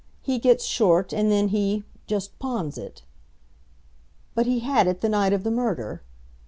He gets short, and then he just pawns it." "But he had it the night of the murder?"